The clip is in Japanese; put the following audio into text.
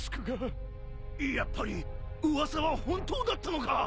やっぱり噂は本当だったのか。